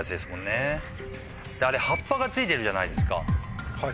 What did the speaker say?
あれ葉っぱがついてるじゃないですか。